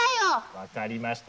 分かりました。